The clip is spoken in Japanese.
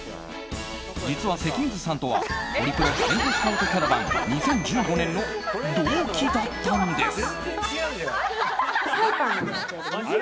実は関水さんとはホリプロタレントスカウトキャラバン２０１５年の同期だったんです。